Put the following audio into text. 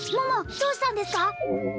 桃どうしたんですか？